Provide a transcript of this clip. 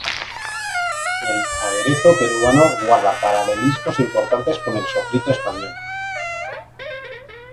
El aderezo peruano guarda paralelismos importantes con el sofrito español.